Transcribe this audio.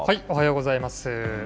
おはようございます。